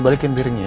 balikin piringnya ya